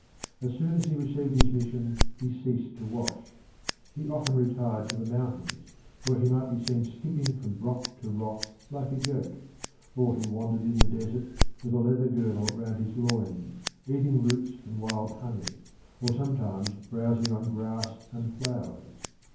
As soon as he received his mission he ceased to wash. He often retired to the mountains, where he might be seen skipping from rock to rock like a goat; or he wandered in the desert with a leather girdle round his loins, eating roots and wild honey, or sometimes browsing on grass and flowers.